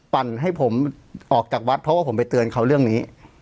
ปั่นให้ผมออกจากวัดเพราะว่าผมไปเตือนเขาเรื่องนี้